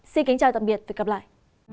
xin kính chào và hẹn gặp lại